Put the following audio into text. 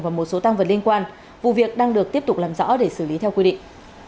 và một số tăng vật liên quan vụ việc đang được tiếp tục làm rõ để xử lý theo quy định